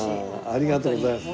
ありがとうございます。